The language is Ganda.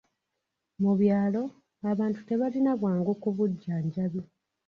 Mu byalo, abantu tebalina bwangu ku bujjanjabi.